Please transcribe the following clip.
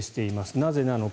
なぜなのか。